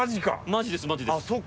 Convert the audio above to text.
マジですマジです。